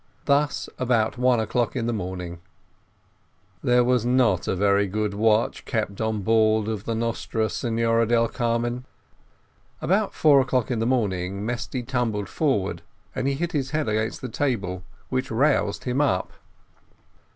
Thus, about one o'clock in the morning, there was not a very good watch kept on board of the Nostra Senora del Carmen. About four o'clock in the morning, Mesty tumbled forward, and he hit his head against the table, which roused him up.